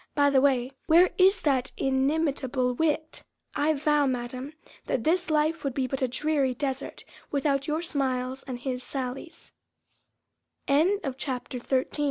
By the way, where is that inimitable wit? I vow, Madam, that this life would be but a dreary desert without your smiles and his sal